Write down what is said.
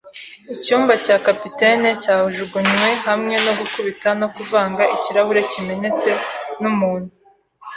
icyumba cya capitaine cyajugunywe hamwe no gukubita no kuvanga ikirahure kimenetse, numuntu